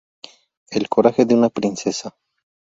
El coraje de una princesa".